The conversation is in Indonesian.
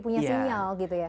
punya sinyal gitu ya